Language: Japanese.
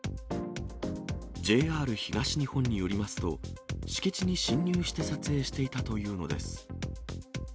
ＪＲ東日本によりますと、敷地に侵入して撮影していたというのです。